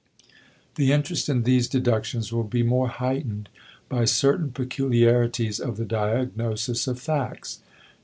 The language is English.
The interest in these deductions will be more heightened by certain peculiarities of the diagnosis of facts.